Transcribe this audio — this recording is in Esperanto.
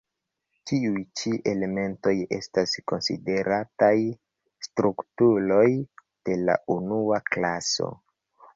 Tiuj ĉi elementoj estas konsiderataj strukturoj de la unua klaso.